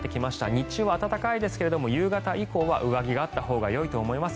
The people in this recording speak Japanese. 日中は暖かいですが夕方以降は上着があったほうがよいと思います。